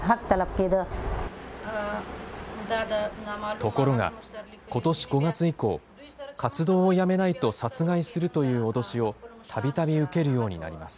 ところが、ことし５月以降、活動をやめないと殺害するという脅しを、たびたび受けるようになります。